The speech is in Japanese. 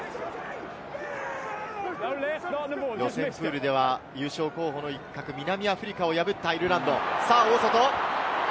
予選プールでは優勝候補の一角、南アフリカを破ったアイルランド。